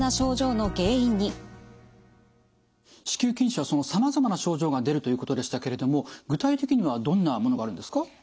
子宮筋腫はそのさまざまな症状が出るということでしたけれども具体的にはどんなものがあるんですか？